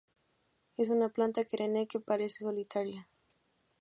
Es una planta perenne que crece solitaria.